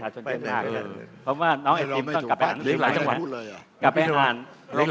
คือคุณหมอวะลงมีปัญหาแค่ผู้ว่าของก้าวไกรหรือมีปัญหากับผู้ว่าของชาวพัฒนากล้าด้วยคะ